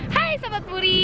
hai sobat puri